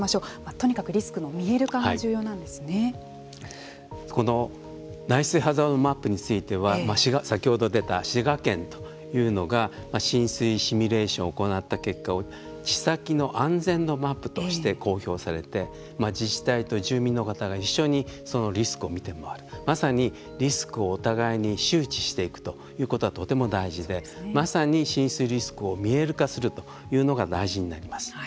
とにかくリスクの見える化がこの内水ハザードマップについては先ほど出た滋賀県というのが浸水シミュレーションを行った結果を「地先の安全度マップ」として公表されて自治体と住民の方が一緒にそのリスクを見て回るまさにリスクをお互いに周知していくということはとても大事でまさに浸水リスクを見える化するというのが大事になります。